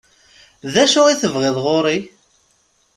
D acu i tebɣiḍ ɣur-i?